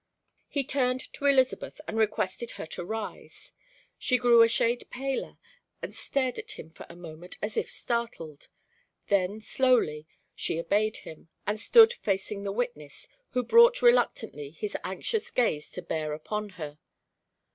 He turned to Elizabeth and requested her to rise. She grew a shade paler and stared at him for a moment as if startled; then slowly, she obeyed him, and stood facing the witness, who brought reluctantly his anxious gaze to bear upon her.